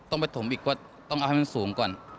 ต้องไปถมอีกว่าต้องเอาให้มันสูงก่อน